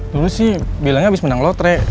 dulu sih bilangnya abis menang lotre